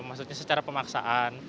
maksudnya secara pemaksaan